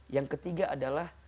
yang ketiga adalah